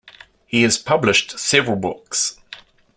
He has published several books.